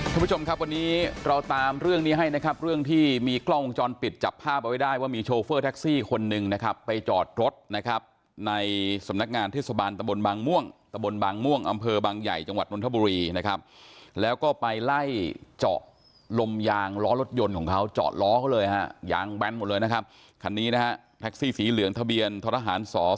คุณผู้ชมครับวันนี้เราตามเรื่องนี้ให้นะครับเรื่องที่มีกล้องวงจรปิดจับภาพเอาไว้ได้ว่ามีโชเฟอร์แท็กซี่คนหนึ่งนะครับไปจอดรถนะครับในสำนักงานเทศบาลตะบนบางม่วงตะบนบางม่วงอำเภอบางใหญ่จังหวัดนทบุรีนะครับแล้วก็ไปไล่เจาะลมยางล้อรถยนต์ของเขาเจาะล้อเขาเลยฮะยางแบนหมดเลยนะครับคันนี้นะฮะแท็กซี่สีเหลืองทะเบียนทรหารส